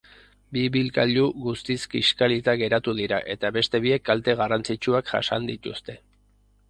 Bi ibilgailu guztiz kiskalita geratu dira eta beste biek kalte garrantzitsuak jasan dituzte.